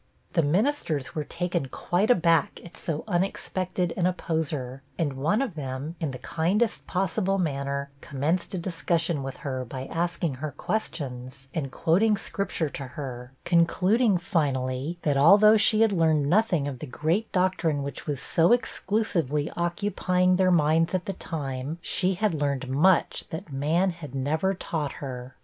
The ministers were taken quite aback at so unexpected an opposer, and one of them, in the kindest possible manner, commenced a discussion with her, by asking her questions, and quoting scripture to her; concluding, finally, that although she had learned nothing of the great doctrine which was so exclusively occupying their minds at the time, she had learned much that man had never taught her.